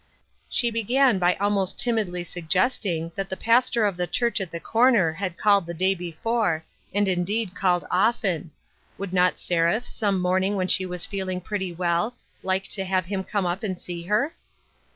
She began by almost timidly suggesting that the pastor of the church at the corner had called the clay before, and indeed called often ; would not BELATED WORK. 243 Seraph, some morning when she was feeling pretty well, like to have him come up and see her